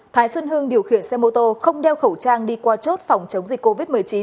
thái xuân hưng điều khiển xe mô tô không đeo khẩu trang đi qua chốt phòng chống dịch covid một mươi chín